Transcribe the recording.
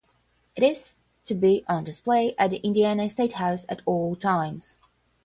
It is to be on display at the Indiana Statehouse at all times.